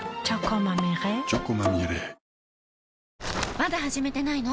まだ始めてないの？